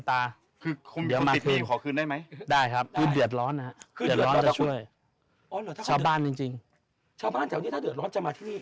ถ้าเดือดร้อนจะมาที่นี่